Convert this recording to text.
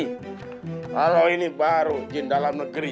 kalau ini baru izin dalam negeri